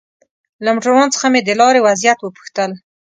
له موټروان څخه مې د لارې وضعيت وپوښتل.